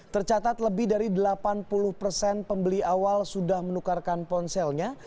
tercatat lebih dari delapan puluh persen pembeli awal sudah menukarkan ponselnya